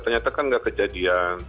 ternyata kan nggak kejadian